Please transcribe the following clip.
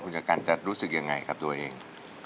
คุณจักรจะรู้สึกยังไงกับตัวเอง